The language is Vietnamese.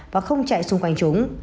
và không chạy xung quanh chúng